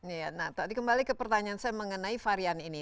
iya nah tadi kembali ke pertanyaan saya mengenai varian ini